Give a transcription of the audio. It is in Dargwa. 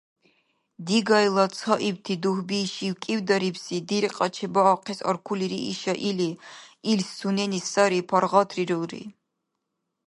Дигайла цаибти дугьби шивкӀивдарибси диркьа чебаахъес аркули рииша или, ил сунени сари паргъатрирулри.